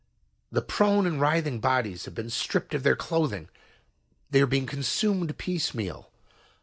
"The prone and writhing bodies have been stripped of their clothing. They are being consumed piecemeal.